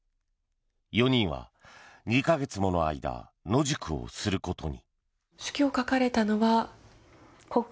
４人は、２か月もの間野宿をすることに。